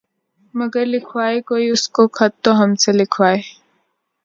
مگر لکھوائے کوئی اس کو خط تو ہم سے لکھوائے